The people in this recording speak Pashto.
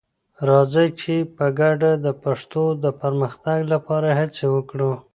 راځئ چې په ګډه د پښتو د پرمختګ لپاره هڅې وکړو.